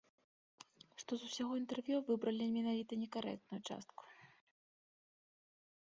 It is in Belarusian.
Што з усяго інтэрв'ю выбралі менавіта некарэктную частку.